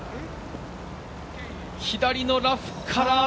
左のラフから。